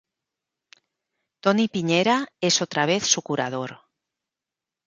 Toni Piñera es otra vez su curador.